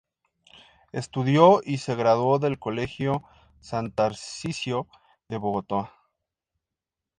Estudió y se graduó del Colegio San Tarsicio de Bogotá.